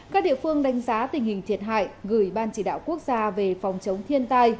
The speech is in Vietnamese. các địa phương đánh giá tình hình thiệt hại gửi ban chỉ đạo quốc gia về phòng chống thiên tai